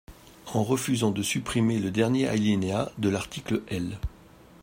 En refusant de supprimer le dernier alinéa de l’article L.